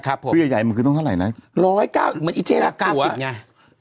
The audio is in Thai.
คือใหญ่ใหญ่มันคือต้องเท่าไหร่นะ๑๐๐จังหวะมันเจ๊รักผัวอ่ะ๙๐จังหวะ